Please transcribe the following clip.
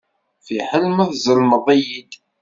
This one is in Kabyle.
Fiḥel ma tzellmeḍ-iyi-d.